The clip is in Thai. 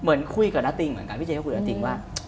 เหมือนคุยกับณติงเหมือนกันพี่เจ๊ก็คุยกับน้าติงว่า